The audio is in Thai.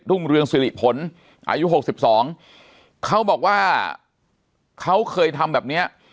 เรืองสิริผลอายุ๖๒เขาบอกว่าเขาเคยทำแบบเนี้ย